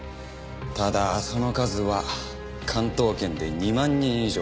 ただその数は関東圏で２万人以上。